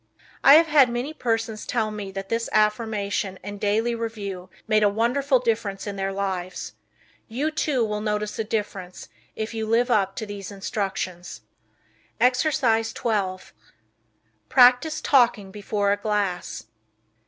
I have had many persons tell me that this affirmation and daily review made a wonderful difference in their lives. You, too, will notice the difference if you live up to these instructions. Exercise 12. Practice Talking Before a Glass.